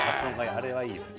あれはいいよね。